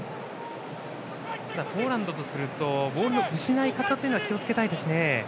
ポーランドとするとボールの失い方には気をつけたいですね。